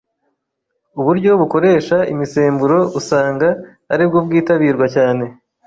Uburyo bukoresha imisemburo usanga ari bwo bwitabirwa cyane,